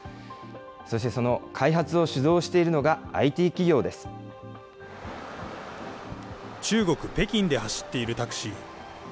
そしてその開発を主導しているの中国・北京で走っているタクシー。